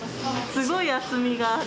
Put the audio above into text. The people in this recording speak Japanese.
すごい厚みがある。